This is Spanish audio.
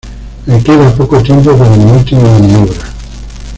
Me queda poco tiempo para mi última maniobra...